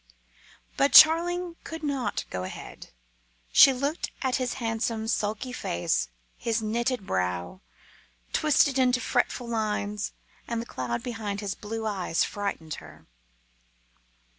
But Charling could not go ahead. She looked at his handsome, sulky face, his knitted brow, twisted into fretful lines, and the cloud behind his blue eyes frightened her.